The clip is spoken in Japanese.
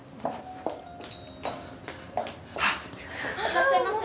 いらっしゃいませ。